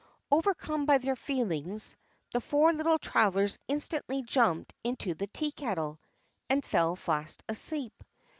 Overcome by their feelings, the four little travelers instantly jumped into the tea kettle and fell fast asleep.